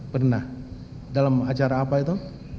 pernah dalam acara apa itu